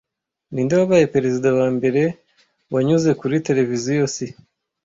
Ninde wabaye perezida wa mbere wanyuze kuri televiziyo si